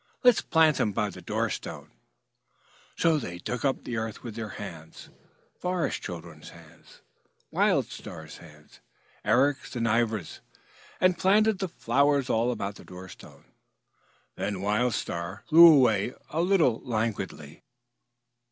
Let's plant them by the door stone." They dug up the earth with their hands, Forest Children's hands, Wild Star's hands, Eric's and Ivra's, and planted the flowers all about the door stone. Then Wild Star flew away a little languidly.